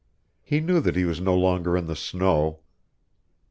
He knew that he was no longer in the snow.